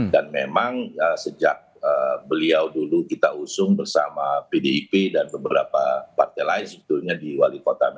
dan memang sejak beliau dulu kita usung bersama pdip dan beberapa partai lain di wali kota